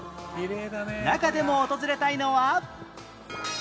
中でも訪れたいのは